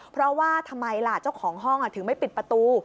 เพราะว่าทำไมล่ะเจ้าของห้องถึงไม่ปิดประตู